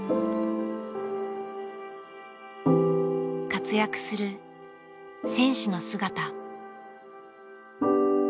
活躍する選手の姿。